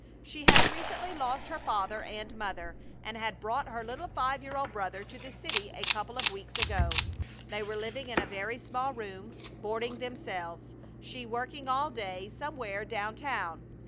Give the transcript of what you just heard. She has recently lost her father and mother, and had brought her little five year old brother to the city a couple of weeks ago. They were living in a very small room, boarding themselves, she working all day somewhere down town.